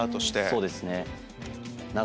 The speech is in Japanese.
そうですね。